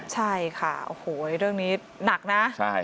ใช่ค่ะโอ้โหเรื่องนี้หนักนะ